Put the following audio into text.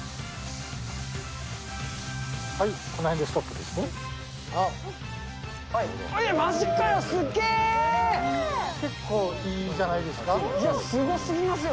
この辺でストップですね。